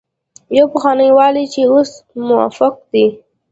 يو پخوانی والي چې اوس موقوف دی.